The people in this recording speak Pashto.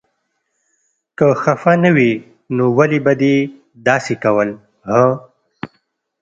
که خفه نه وې نو ولې به دې داسې کول هه.